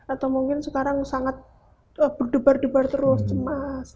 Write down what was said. atau mungkin sekarang sangat berdebar debar terus cemas